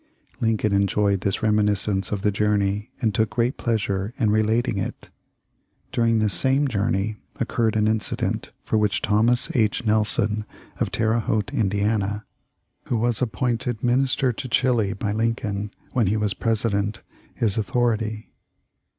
Lincoln enjoyed this reminiscence of the journey, and took great pleas ure in relating it. During this same journey oc curred an incident for which Thomas H. Nelson, of Terre Haute, Indiana, who was appointed Minister to Chili by Lincoln, when he was President, is authority.